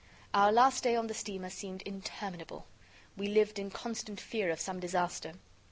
Our last day on the steamer seemed interminable. We lived in constant fear of some disaster.